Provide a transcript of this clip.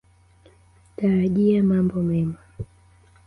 Tarajia mambo mema.